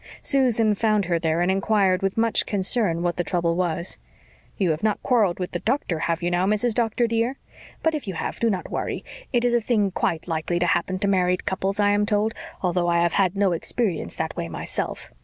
Susan found her there and enquired with much concern what the trouble was. "You have not quarrelled with the doctor, have you now, Mrs. Doctor, dear? But if you have, do not worry. It is a thing quite likely to happen to married couples, I am told, although I have had no experience that way myself.